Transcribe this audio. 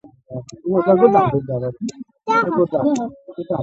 نوښت انګېزه په کې وژل شوې وه